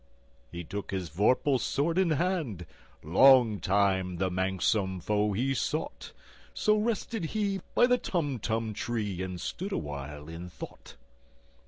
He took his vorpal sword in hand:Long time the manxome foe he sought—So rested he by the Tumtum tree, And stood awhile in thought.